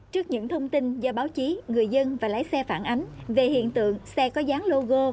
trước những thông tin do báo chí người dân và lái xe phản ánh về hiện tượng xe có dán logo